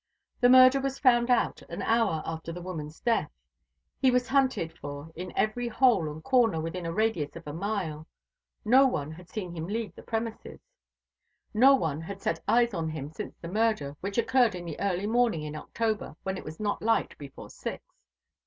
The murder was found out an hour after the woman's death. He was hunted for in every hole and corner within a radius of a mile. No one had seen him leave the premises. No one had set eyes on him since the murder, which occurred in the early morning in October, when it is not light before six.